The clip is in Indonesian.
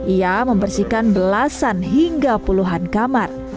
ia membersihkan belasan hingga puluhan kamar